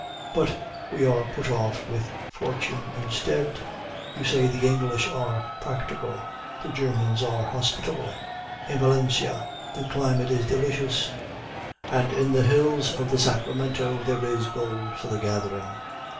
But we are put off with fortune instead. You say the English are practical; the Germans are hospitable; in Valencia the climate is delicious; and in the hills of the Sacramento there is gold for the gathering.